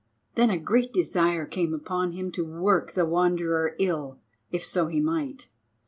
Then a great desire came upon him to work the Wanderer ill, if so he might.